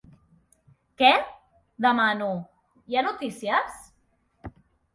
Què? —demano— Hi ha notícies?